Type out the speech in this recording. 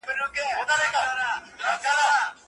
غازي امان الله خان د تعلیم او معارف لپاره قانوني بنسټ کيښود.